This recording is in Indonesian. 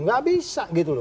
gak bisa gitu loh